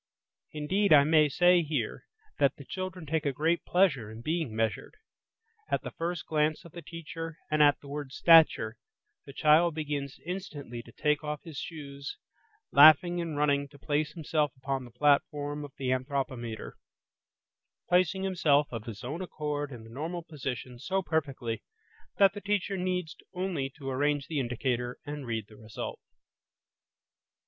Indeed, I may say here, that the children take a great pleasure in being measured; at the first glance of the teacher and at the word stature, the child begins instantly to take off his shoes, laughing and running to place himself upon the platform of the anthropometer; placing himself of his own accord in the normal position so perfectly that the teacher needs only to arrange the indicator and read the result.